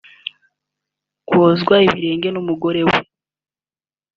wozwa ibirenge n’umugore we